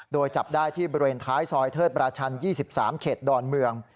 โดยจับได้ที่บริเวณท้ายซอยเทิดราชัน๒๓เขตดอนเมือง